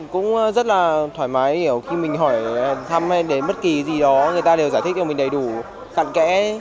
cũng rất là thoải mái hiểu khi mình hỏi thăm đến bất kỳ gì đó người ta đều giải thích cho mình đầy đủ cận kẽ